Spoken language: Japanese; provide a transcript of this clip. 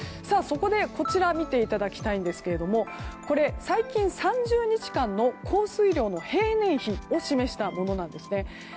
そこで、こちらを見ていただきたいんですが最近、３０日間の降水量の平年比を示したものなんですね。